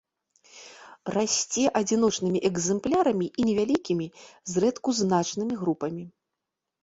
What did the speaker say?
Расце адзіночнымі экзэмплярамі і невялікімі, зрэдку значнымі групамі.